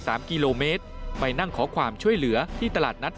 สามกิโลเมตรไปนั่งขอความช่วยเหลือที่ตลาดนัด